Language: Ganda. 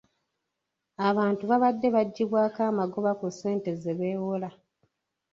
Abantu babadde baggyibwako amagoba ku ssente ze beewola.